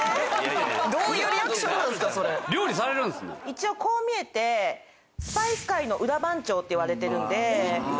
一応こう見えてスパイス界の裏番長っていわれてるんで。